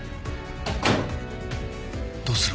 どうする？